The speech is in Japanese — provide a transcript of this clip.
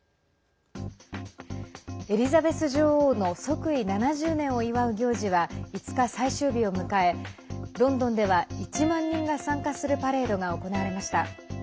エリザベス女王の即位７０年を祝う行事は５日、最終日を迎えロンドンでは１万人が参加するパレードが行われました。